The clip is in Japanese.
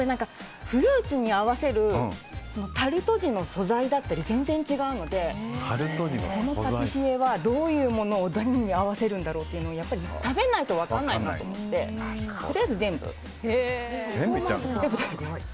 フルーツに合わせるタルト地の素材だったり全然違うのでこのパティシエはどういうものを合わせるんだろうっていうのは食べないと分からないと思ってとりあえず全部。